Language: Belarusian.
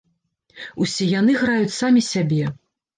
Усе яны граюць самі сябе.